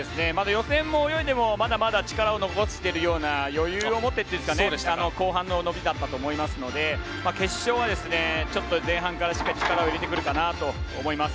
予選を泳いでもまだまだ力を残しているような余裕を持ってる後半の伸びだったと思うので決勝は前半からしっかり力を入れてくるかなと思います。